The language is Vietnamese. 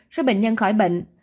số bệnh nhân khỏi bệnh